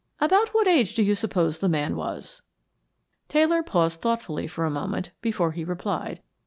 About what age do you suppose the man was?" Taylor paused thoughtfully for a moment before he replied.